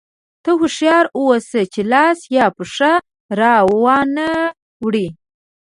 ته هوښیار اوسه چې لاس یا پښه را وانه وړې.